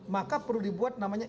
maka perlu dibuat namanya